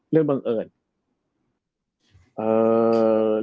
เริ่มบังเอิญ